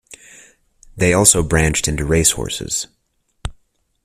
They also branched into race horses.